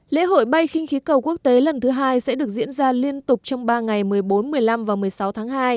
lễ hội bay kinh khí cầu quốc tế lần thứ hai sẽ được diễn ra liên tục trong ba ngày một mươi bốn một mươi năm và một mươi sáu tháng hai